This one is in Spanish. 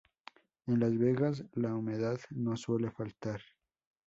En las vegas la humedad no suele faltar.